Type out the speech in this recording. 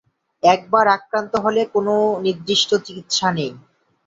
একবার আক্রান্ত হলে কোন নির্দিষ্ট চিকিৎসা নেই।